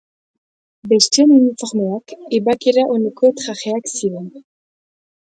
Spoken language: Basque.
Besteen uniformeak ebakera oneko trajeak ziren.